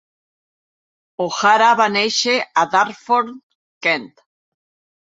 O'Hara va néixer a Dartford, Kent.